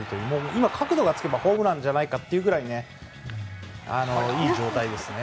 今、角度がつけばホームランじゃないかというぐらいいい状態ですね。